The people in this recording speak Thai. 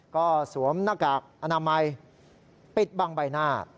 ก็สวมหน้ากากอนามัยปิดบังใบหน้า